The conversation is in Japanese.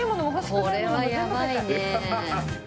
これはやばいね。